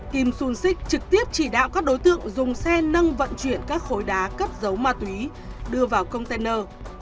kim sung six trực tiếp chỉ đạo các đối tượng dùng xe nâng vận chuyển các khối đá cất dấu ma túy đưa vào container